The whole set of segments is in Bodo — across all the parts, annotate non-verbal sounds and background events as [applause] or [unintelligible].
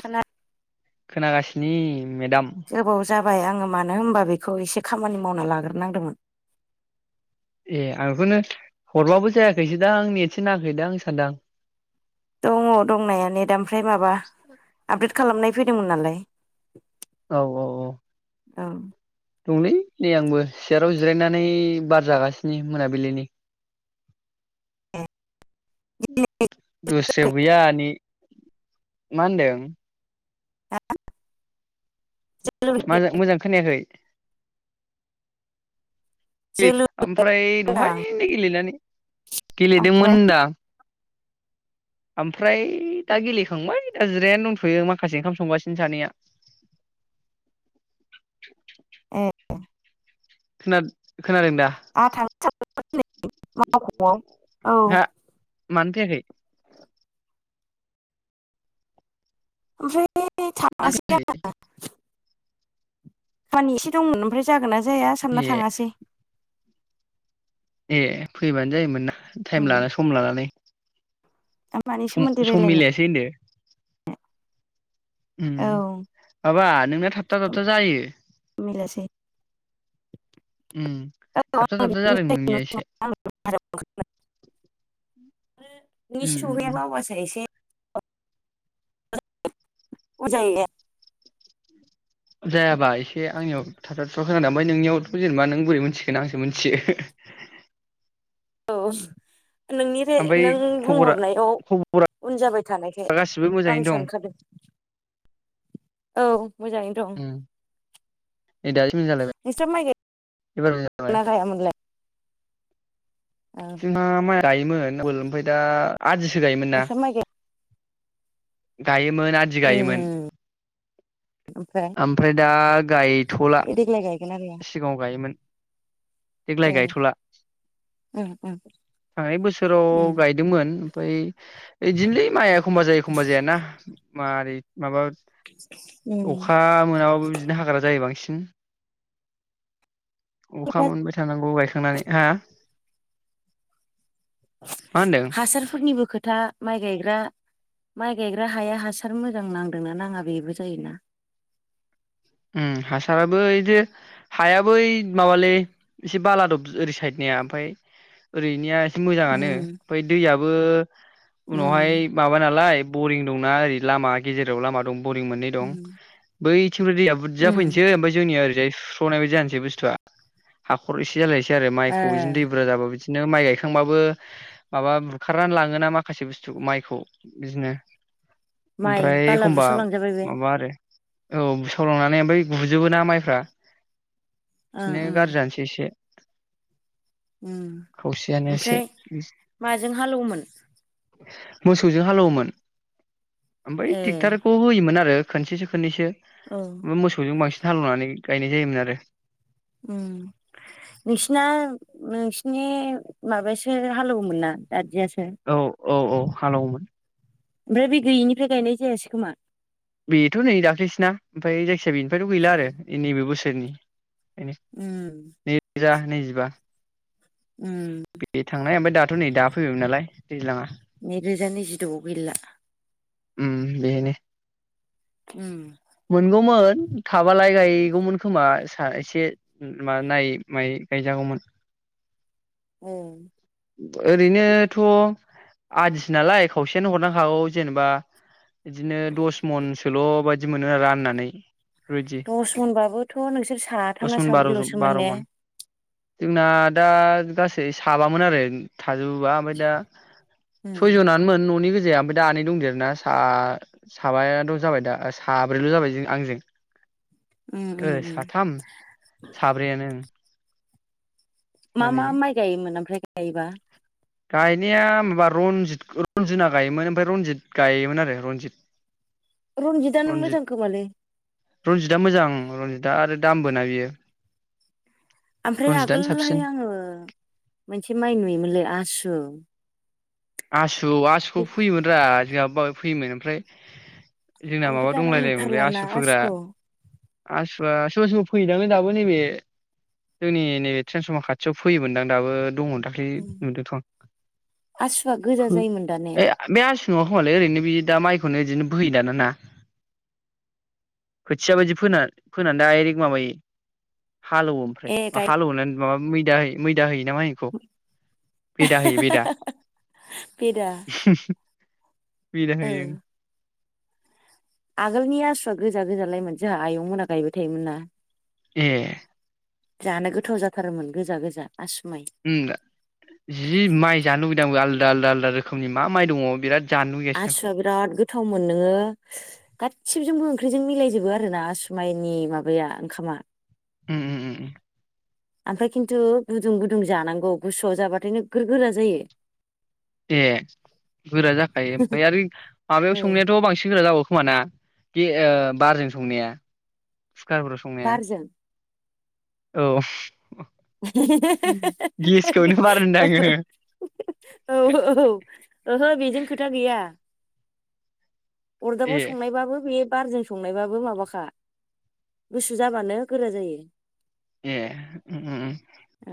खोना खोनागासिनो मेदाम गोबाव जाबाय आङो मानो होमबा बेखौ एसे खामानि मावना लागोरनांदोंमोन। ए आं बेखौनो हरबाबो जायाखैसो दां नेटसो नाङाखै दां सानदां दङ दंनाया नेट ओमफ्राय माबा आपडेट खालामनाय फैदोंमोन नालाय औ औ औ। औ दंलै नै आंबो सियाराव जिरायनानै बार जागासिनो मोनाबिलिनि। दस्रायाव गैया ने मा होनदों? हा माजां मोजां खोनायाखै। जोलुर [unintelligible] ओमफ्राय होनदां दहायनो गेलेनानै ओमफ्राय गेलेदोंमोन होनदां। आमफ्राय दा गेलेखांबाय दा जिरायनानै दंथयो माखासे ओंखाम संगासिनो सानैया। ए। खोनाद खोनादों दा? [unintelligible] हा मान याखै ओमफ्राय [unintelligible] [unintelligible] एसे दंमोन ओमफ्राय जागोना जाया सानना ए थाङासै ए फैबानो जायोमोन ना थाइम उम लाना सम लानानै मानि सम सोमोन्दै सम रायलायनो मिलायासै ओनदो उम औ माबा नोंना थाबथा सम थाबथा जायो मिलासै उम औ थाबथा आं थाबथा जादों बिदिनो जायो नोंनिया न' एसे सिङाव आरो उम उम उम [unintelligible] [unintelligible] जायाबा एसे आंनियाव थाबथा थुबथा खोनादों ओमफाय नोंनियावथ जेनेबा नों बोरै मोनथिगोन आंसो मिथियो औ नोंनिफाय ओमफ्राय नों खबरा बुंहरनायाव खबरा उन जाबाय थानायखाय गासिबो आं मोजाङैनो दं सानखादों औ मोजाङैनो दं उम नै दासो मोजां जालायबाय नोंसा माइ गाय एबार मोजां जाबाय ना गायामोनलाय? ओ जोंहा माइ गायोमोन आगोल ओमफ्राय दा! आदिसो गायोमोन ना? नोंस्रा माइ गाय गायो मोन आदि गायोमोन उम ओमफ्राय दा गायथला देग्लाय गायगोना गाया सिगाङाव गायोमोन देग्लाय ए गायथला उम उम थांनाय बोसोराव उम गायदोंमोन ओमफ्राय इदिनोलै माइआ एखमबा जायो एख एखमबा जाया ना? मारै माबा उम अखा मोनाबाबो बिदिनो हाग्रा जायो बांसिन। उम। अखा खोथा मोनबाय थानांगौ गायखां नानै आ हासारफोरनिबो खोथा माइ गायग्रा माइ गायग्रा हाया हासार मोजां नांदोंना नाङा बेबो जायोना? उम हासाराबो इदि हायाबो ओइ माबालै एसे बालादब ओरै साइदनिया ओमफ्राय ओरैनिया मोजाङानो उम ओमफाय दैया बो उनावहाय उम माबा नालाय बरिं दंना ओरै लामा गेजेराव लामा दं। बरिं मोननै दं उम बै [unintelligible] बुरजा उम फैनोसै ओमफाय जोंनि ओरजाय सुस्रनाय बायदि जानोसै बुस्थुवा हाखर एसे बिदि जालायसै आरो ओ माइखौ बिदिनो दै बुरा जाबा बिदि बिदिनो माइ गायखांबाबो माबा बुरखारनानै लाङोना माखासे बुस्थु माइखौ बिदिनो माइ ओमफ्राय बाला एखमबा बुस'लांजाबाय बे माबा आरो औ फलंनानै ओमफ्राय गुजोबो ना माइफ्रा ओं बिदिनो ओं गाज्रि जानोसै एसे। उम खावसेयानो एसे ओमफ्राय माजों हालेवोमोन? मोसौजों हालेवोमोन। ओमफय ए ट्रेक्टरखौ होयोमोन आरो खोननसेसो खनैसो। औ मोसौजों बांसिन हालेवनानै गायनाय जायोमोन आरो। ओं नोंसिना नोंसिनि माबायासो हालेवोमोन नना दा। जायासै औ औ औ हालौवोमोन बे दै गैयैनिफ्राय गायनाय जायासै खोमा। बेथ नै दाख्लैसोना ओमफ्राय जायखिजाया बे [unintelligible] गैला आरो एनि बे बोस [unintelligible] उम नैजिबा उम [unintelligible] थांनाय ओमफ्राय दाथ' नै दा फैबायमोन नालाय। दैज्लांङा नैरोजा नैजिद' गैला। उम बेनो। उम मोनगौमोन थाबालाय गायगौमोन खोमा सासे मा नायै मायै गायजागौमोन औ ओरैनोथ' आदिसो नालाय खावसेयानो हरनांखागौ जेनेबा बिदिनो दस मनसोल बाय बिदि मोनो आरो राननानै। दस मनबाबोथ नोंसोर दस साथामना मन बार' साब्रैल सोमोन बार' ने? मन जोंना दा गासै साबामोन आरो। थाजोबोबा ओमफ्राय दा उम सयजना नोमोन ननि गोे दे ओमफ्राय दा आनै दंदेरो ना सा साबायाथ जाबाय दा। फाब्रैल जाबाय जों आंजों। उम उम ओ उम साथाम साब्रैयानो ओम मा मा माइ गायोमोन ओमफ्राय एबा गायनाया माबा रनजित रनजिना गायोमोन ओमफ्राय रनजित गायोमोन आरो रनजित। रनजितआनो रनजित मोजां खोमालै रनजितआ मोजां। रनजितआ आरो दामबो ना बेयो। आमफ्राय आगोलहाय आङो मोनसे माइ नुयोमोनलै आस द आस औ आसुखौ फैयोमोन रा [unintelligible] फैयोमोन ओमफ्राय जोंना ओमफ्राय माबा दाना दंलायलायोमोन बे नुथारलाना आसु फोग्रा। आसुखौ आसुआ सोरबा सोरफैयदांलै दाबो नैबे जोंनि नैबे ट्रेेनसबमा खाथियाव फैयोमोनदां दाबो दङ दाख्लि नुदोंथ आं। आसुआ गोजा जायोमोन दा ने सिङाव खोमालै ओरैनो बिदि दा माइखौनो बिदिनो बोयो दान ना खोथिया बायदि फोना फोनानै डायरेक्ट माबायो हालौओ ओमफ्राय ए हा गाय हालौवोलायनो माबा मैदा होयो मैदा होयो [unintelligible] खौ बेदा होयो बेदा बेदा [unintelligible] बेदा ओ होयो आगोलनि आसुआ गोजा गोजालायमोन जोंहा आयं मोना गायबाय थायोमोनना ए जानो गोथाव जाथारोमोन गोजा गोजा आसु माइ ओम जि माइ जानो लुगैदों आलु आलदा आलदा रोखोमनि मा माइ दङ बिराद जानो लुुबैगासिनो आंखौ आसुआ बिराद गोथा गोथावमोन नोङो गासिजोंबो ओंख्रिजों मिलायजोबो आरो ना आसुमाइनि माबाया ओंखामा उ-उ-उम ओमफ्राय खिन्थु गुदुं गुदुं जानांगौ गोसुआव जाबाथाय नोगोर गोरा जायो। ए गोरा जाखायो। ओमफ्राय आरो माबायाव औ संनायाथ बांसिन गोरा जाबावो खोमा ना? बे ओ बारजों संनाया कुकारफोराव संनाया बारजों औ गेसखौनो बार होनदां आङो औ औ ओहो बेजों खोथा गैया ए अरदाबाव संनायबाबो बे बारजों संनायबाबो माबाखा गुसु जाबानो गोरा जायो । ए उम उम ओ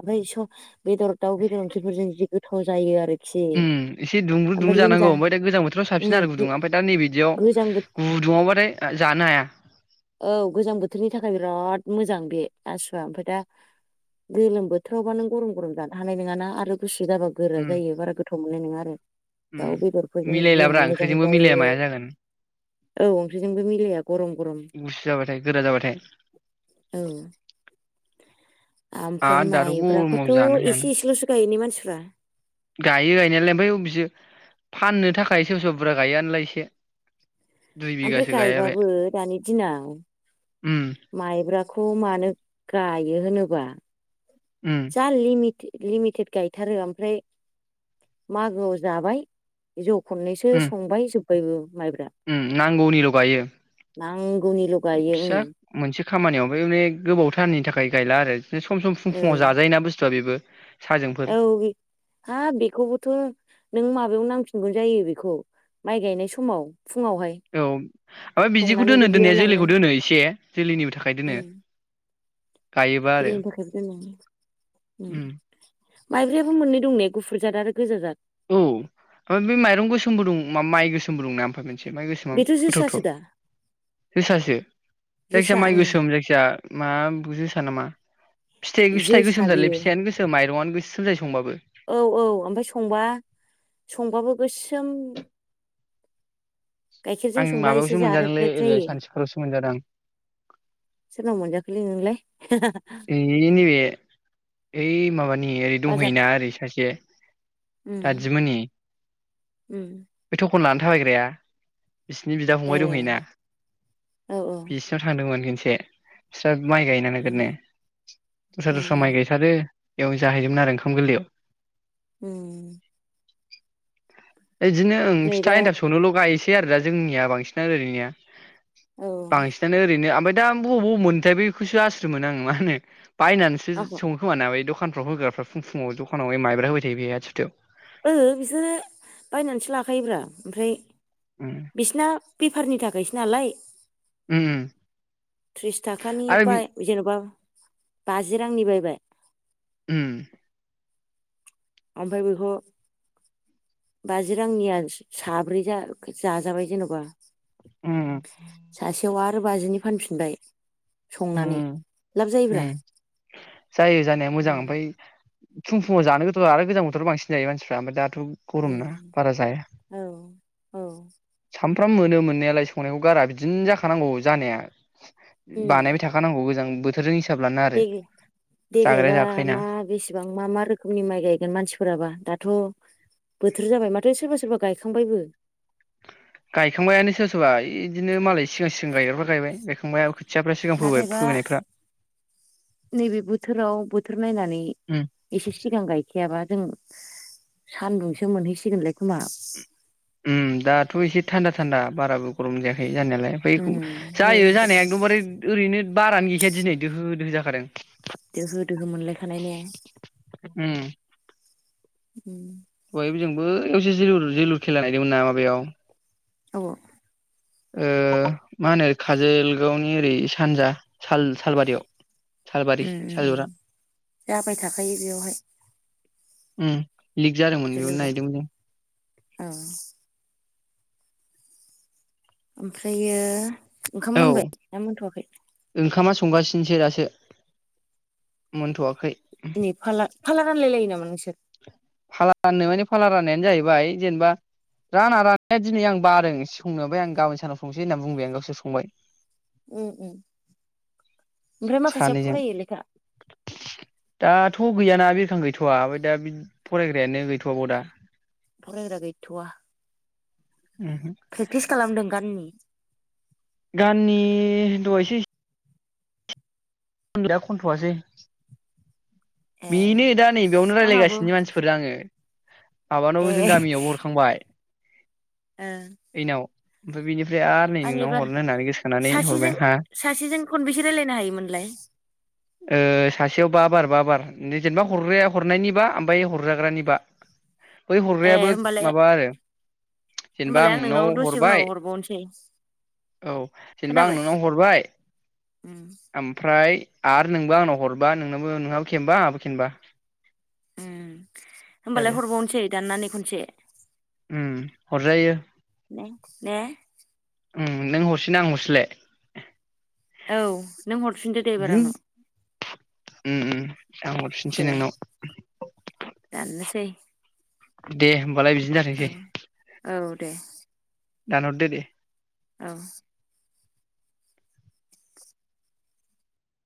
आबै स बेदर दाउ बेदर ओंख्रिफोरजों जि गोथाव जायो आरो उम एसे दुंब्रु दुंब्रु जानांगौ ओमफ्राय दा गोजां बोथोराव साबसिन आरो उम गुदुङा ओमफ्राय दा नै बिदियाव गोजां बो गुदुं आवबाथाय जानोनो हाया । औ गोजां बोथोरनि थाखाय बिराद मोजां बे आसुवा ओमफ्राय दा गोलोम बोथोरावबा नों गरम गरम जानो हानाय नङाना आरो गुसु जाबा गोरा उम जायो बारा गोथाव मोन [unintelligible] आरो दाउ उम बेदरफोरजों जि मिलायलाब्रा मोजां ओंख्रिजोंबो मिलाया जायो, माया जागोन औ ओंख्रिजोंबो मिलाया गरम गरम । गुसु जाबाथाय गोरा जाबाथाय आमफ्राय आरो दाथ' माइब्राखोथ' गरमाव जानो हायानो एसे एसेल'सो गायने मानसि फ्रा गायो गायनायालाय ओमबाय अबिजो फाननो थाखाय सोर सोरब बुरा गायोआनोलाय एसे। दुइ ओमफ्राय बिगासो गायबाय गायबाबो दानि दिनाव उम माइब्राख खौ मानो गायो होनोबा उम जा लिमिते लिमिटेड गायथारो आमफ्राय मागोआव जाबाय जौ खननैसो संबाय जोब बयबोब ओम नांगौनिल' गायो नांगौनिल' गायो फिसा मोनसे खामानियाव बे माने गोबावथारनि थाखाय गायला आरो बि सम फुं फुङाव ओं जाजायोना बुस्थुआ बेबो। साहाजोंफोर औ बे हाब बेखौबोथ' नों माबायाव नांफि खुंगुन जायो बेखौ माइ गायनाय समाव। फुङावहाय औ आफाय बिदिखौ संनानै दोनो दुब्लियाव दोननाया लांनो जोलैखौ दोनो इसे। जोलैनिबो थाखाय दोनो। गायोबा आरो खेलनि थाखाय बो दोनो उम माइब्रायाबो मोननै दं ने गुफुरजाद आरो गोजा जाद औ ओमफ्राय बे माइरं गोसोमबो दं माइ गोसोम। गोसोम बुंना ओमफ्राय मोनसे माइ गोसोमा बेथ' जोसासो गोथावथाव दा जोसासो जोसा जायखियााया माइ ओं गोसोम जायखिजया माबा जोसा नामा। फिथाइ फिथाइ जोसा गोसोम थारलै बियो फिथायानो गोसो माइरंनो। गोसोम जायो संबाबो औ औ ओमफ्राय संबा-संबाबो गोसोम गाइखेरजों आं संबा एसे माबायावसो जारेद मोनजादोंलै रेद ओरै जायो सानथिफुरावसो मोनजादों सोरनाव मोनजाखोलै नोंलाय आं नैबे ओइ माबानि ओरै बाजार दंहैयोना ओरै सासे। उम दादिमोननि। उम बे थखन लानानै थाबायग्राया बिसिनि बिदा ए फंबाय दंहैयैना औ बिसिनाव थांदोंमोन। से स्रा। माइ गायना नागिर ने उम दस्रा उम दस्रा उम माइ गायसादो। बेयाव जाहैदोंमोन आरो ओंखाम गोरलैयाव होम [inaudible] बिदिनो ओं नै फिथा दा एन्थाब सौनोल गायोसै बे आरो दा जोंनिया बांसिनानो ओरैनिया औ बांसिनानो ओरैनो आमबाय दा बबाव बबाव मोनोथाय बैखौसो आसुरिद मोनो आङो मा होनो बायनानैसो आख' सङो खोमा बै दखान द'खानफ्राव होग्राफ्रा फुं फुंआव द'खानाव माइब्रा होबाय थायो बेयो आ सुथायाव। ओ बिसोरो बायनानैसो लाखायोब्रा ओमफ्राय उम बिसिना बेपारनि थाखायसो नालाय। उम ओ थ्रिस थाखानि बाय जेनोबा बाजि रांनि बायबाय। उम ओमफाय बेखौ बाजि रांनिया साब्रै जा जाजाबाय जेनबा उम सासेआव आद आरो बाजिनि फानफिनबाय संनानै उम लाब जायोब्रा उम जायो जानाया मोजां उम ओमफाय। फुं फुंआव जानो गोथाव आरो गोजां बोथोराव बांसिन जायो मानसिफ्रा आमफ्राय दा। दुब गरम ना उम बारा जाया औ औ सामफ्रो फ्राम मोनो मोननायालाय संनायखौ गारा बिदिनो जाखानांगौ जानाया। बानायबाय थाखानांगौ गोजां। बोथोरजों हिसाब लाना आरो देग जाग्राया देग्लायबा जाखायोना मा बेसेबां मा मा रोखोमनि माइ गायगोन मानसिफोराबा दाथ' बोथोर जाबाय माथो सोरबा सोरबा गायखांबायबो। गायखांबायानो सोर सोरबा इदिनो मालाय सिगां सिगां गायग्राफ्रा गायबाय गायखांबाय। खोथियाफ्रा सिगां फोबाय नाथायबा फोबोनायफ्रा नैबे बोथोराव बोथोर नायनानै उम एसे सिगां गाय खायाबा जों सान्दुंसो मोनहैसिगोनलाय खोमा। उम दाथ' एसे थान्दा थान्दा बाराबो गरम जायाखै जानायालाय ओफाय एखौ उम जायो जानाया एकदम बारे ओरैनो बारानो गैखाया दिनै दोहो दोहो जाखादों। दोहो दोहो मोनलायखानाय ने? उम उम बे जोंबो [unintelligible] जेलुर जेलुर खेला नायदोंमोन ना माबायाव। अबाव ओ मा होनो काजोलगावनि ओरै सानजा साल सालबारियाव सालबारि ओम ओम सालजरा ओम जाबाय थाखायो बेयावहाय ओम लिक जादोंमोन बेयावनो नायदोंमोन नो ओ ओमफ्रायो ओंखाम जों मोनबाय ना मोनथवाखै। गासिनोसै दासो मोनथवाखै दिनै फाला फाला रानलायो नामा नोंसोर? फाला राननो माने फाला राननायानो जाहैबाय जेनेबा राना रानाया दिनै आं बारसे संनोय आं गाबनि सानाव संसै होनना बुंबाय आं गावसोर संबाय। ओम ओम ओमफ्राय माखासेया सानैजों फरायो लेखा बिखां गैथवा आबै दा बिद फरायग्रायानो गैथवाबाव दा फरायग्रा गैथवा उमहो प्रेक्टिस खालामदों गाननि गाननि दहायसै गैया खनथआसै ए बेनो दा नै बेयावनो आंहाबो रायलायगासिनो मानसिफोर आङो ए आबानावबो जों गामियावबो हरखांबाय ओ ओफाय बियो आं एबार हरबाय सासेजों आंहा सासेजों खनबेसे रायलायनो हायोमोनलाय ओ सासेयाव बा बार बा बार जेनेबा हरग्राया हरनायनिबा ओमफ्राय हरजाग्रानिबा बै ए हरग्रायाबो होमबालाय माबा आरो जेनेबा होमबालाय आं नोंनाव दसे उनाव हरबाय हरबावनोसै औ जेनेबा आं खोनाबाय नोंनाव हरबाय उम ओम फाय आरो नोंबो आंनाव हरबा नोंनाबो नोनाबो खेनबा आंहाबो खेनबा ओम होमबालाय हरबावनोसै दाननानै खनसे ओम हरजायो ने ने ओम नों हरसि ना आं हरसिलाय औ नों हरफिनदो दे एबार उम आंनाव उम उम आं दे हरफिनसै नोंनाव दाननोसै दे होम बालाय बिदिनो औ जाथोंसै । औ दे दानरदो दे। औ।